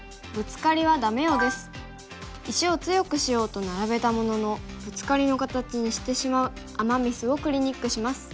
石を強くしようと並べたもののブツカリの形にしてしまうアマ・ミスをクリニックします。